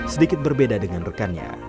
sedikit berbeda dengan rekannya